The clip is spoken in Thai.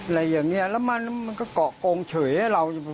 อะไรอย่างนี้แล้วมันก็เกาะโกงเฉยให้เรา